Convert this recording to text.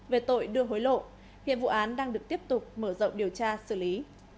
về tội đưa hối lộ hiện vụ án đang được tiếp tục mở rộng điều tra xử lý